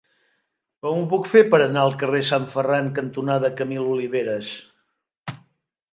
Com ho puc fer per anar al carrer Sant Ferran cantonada Camil Oliveras?